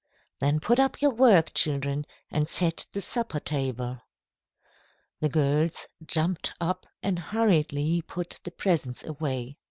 "Then put up your work, children, and set the supper table." The girls jumped up and hurriedly put the presents away.